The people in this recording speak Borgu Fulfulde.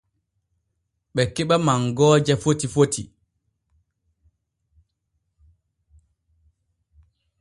Ɓe keɓa mangooje foti foti.